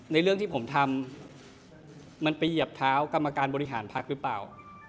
เรื่องที่ผมทำมันไปเหยียบเท้ากรรมการบริหารพักหรือเปล่า